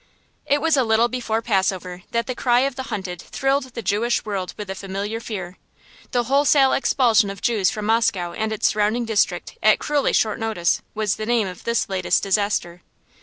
It was a little before Passover that the cry of the hunted thrilled the Jewish world with the familiar fear. The wholesale expulsion of Jews from Moscow and its surrounding district at cruelly short notice was the name of this latest disaster.